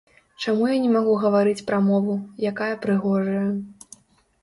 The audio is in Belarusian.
Чаму я не магу гаварыць пра мову, якая прыгожая.